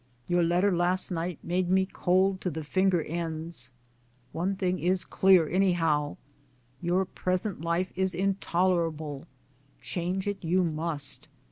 Your letter last night made me cold to the finger ends. One thing is clear any how, your present life is intolerable, change it you, must.